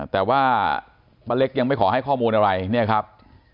แต่ว่าป้าเล็กยังไม่ขอให้ข้อมูลอะไรเนี่ยครับ